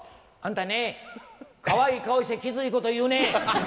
あんたねかわいい顔してきついこと言うね。